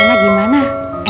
enak gak sih makanannya